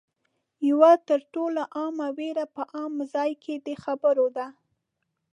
یوه تر ټولو عامه وېره په عامه ځای کې د خبرو ده